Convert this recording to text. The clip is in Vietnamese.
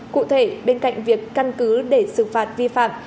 cụ thể bên cạnh việc căn cứ để xử phạt vi phạm